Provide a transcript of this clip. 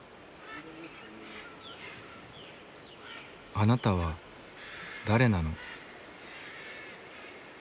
「あなたは誰なの？」。